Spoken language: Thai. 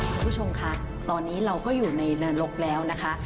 คุณผู้ชมคะตอนนี้เราก็อยู่ในเนินรกแล้วนะคะ